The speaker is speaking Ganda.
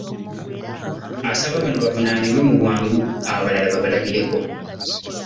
Asaba bano bavunaanibwe mu bwangu, abalala babalabireko.